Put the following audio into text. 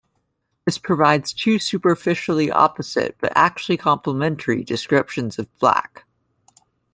This provides two superficially opposite but actually complementary descriptions of black.